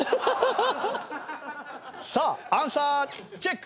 さあアンサーチェック！